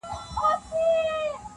له شامته چی یې زرکي دام ته تللې -